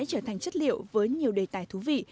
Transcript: trở thành chất liệu với nhiều đề tài thú vị